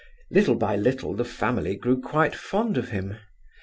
Little by little the family grew quite fond of him.